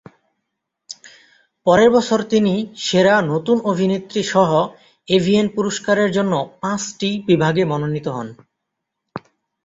পরের বছর তিনি "সেরা নতুন অভিনেত্রী" সহ এভিএন পুরস্কারের জন্য পাঁচটি বিভাগে মনোনীত হন।